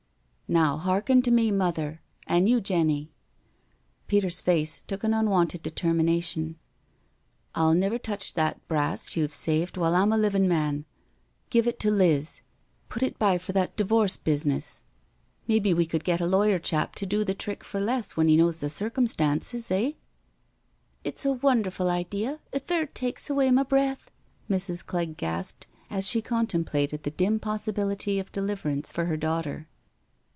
" Now, hearken to me. Mother, an' you, Jenny "— Peter's face took on unwonted determination — "I'll never touch that brass you've saved while I'm a livin' man. Give it to Liz — put it by for that divoorce biz ness. Maybe we could get a lawyer chap to do the trick for less when he knows the circumstances — eh?'^ '* It's a wonderfu' idea^t fair taks awa' me breath," Mrs. Clegg gasped, as she contemplated the dim pos sibility of deliverance for her daughter.